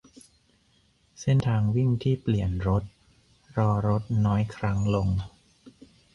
- เส้นทางวิ่งที่เปลี่ยนรถ-รอรถน้อยครั้งลง